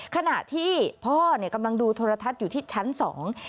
ขณะที่พ่อกำลังดูโทรทัศน์อยู่ที่ชั้น๒